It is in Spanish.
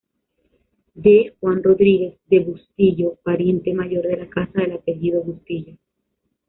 D. Juan Rodríguez de Bustillo, pariente mayor de la casa del apellido Bustillo.